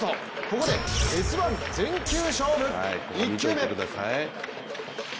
ここで「Ｓ☆１」全球勝負１球目。